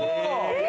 え！！